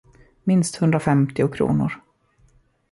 Minst hundrafemtio kronor.